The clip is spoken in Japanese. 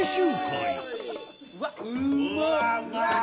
うまっ！